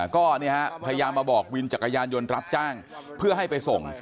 ก็พยายามมาบอกวินจักรยานยนต์รับจ้างเพื่อให้ไปส่ง